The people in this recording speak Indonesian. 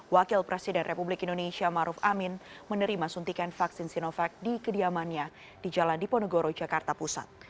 wakil presiden republik indonesia maruf amin menerima suntikan vaksin sinovac di kediamannya di jalan diponegoro jakarta pusat